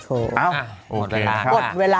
โอเคนะครับ